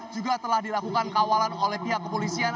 juga telah dilakukan kawalan oleh pihak kepolisian